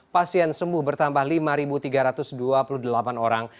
pasien sembuh bertambah lima tiga ratus dua puluh delapan orang